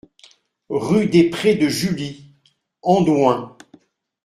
Rue des Prés de Julie, Andoins